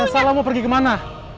yang salah mau pergi kemana